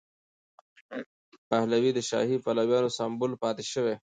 پهلوي د شاهي پلویانو سمبول پاتې شوی.